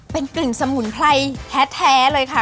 เป็นกลิ่นสมุนไพรแท้เลยค่ะ